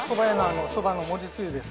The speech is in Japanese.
そばのつゆです。